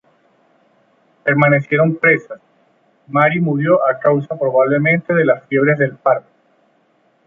Permanecieron presas y Mary murió a causa probablemente de las fiebres del parto.